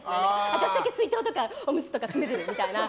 私だけ水筒とかおむつとか詰めてるみたいな。